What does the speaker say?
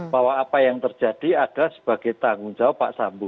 bahwa apa yang terjadi adalah sebagai tanggung jawab pak sambu